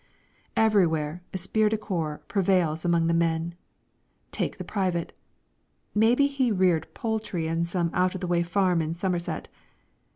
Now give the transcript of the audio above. Everywhere esprit de corps prevails amongst the men. Take the private. Maybe he reared poultry in some out of the way farm in Somerset.